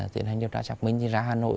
tiến hành điều tra chắc minh ra hà nội